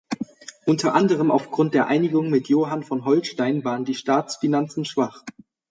Unter anderem aufgrund der Einigung mit Johann von Holstein waren die Staatsfinanzen schwach.